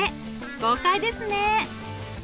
豪快ですね！